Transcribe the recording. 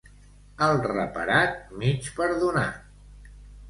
El reparat, mig perdonat.